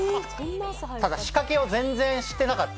ただ仕掛けを全然してなかった。